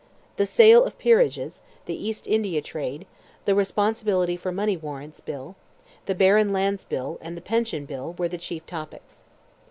The sale of Peerages, the East India trade, the Responsibility (for money warrants) Bill, the Barren Lands Bill, and the Pension Bill, were the chief topics.